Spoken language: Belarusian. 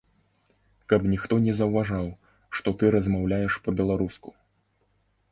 Каб ніхто не заўважаў, што ты размаўляеш па-беларуску!